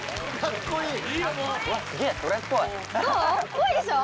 っぽいでしょ？